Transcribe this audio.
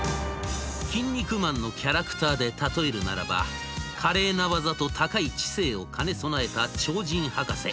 「キン肉マン」のキャラクターで例えるならば華麗な技と高い知性を兼ね備えた「超人博士」